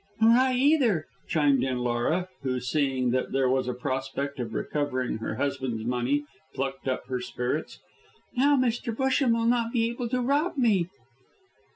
"Nor I either," chimed in Laura, who, seeing that there was a prospect of recovering her husband's money, plucked up her spirits. "Now Mr. Busham will not be able to rob me."